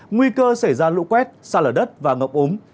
nguy cơ xảy ra lũ quét xa lở đất và ngập úng